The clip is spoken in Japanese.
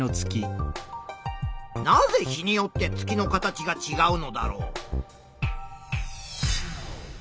なぜ日によって月の形がちがうのだろう？